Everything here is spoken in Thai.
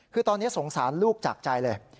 คือตอนนี้สงสารลูกจากใจเลย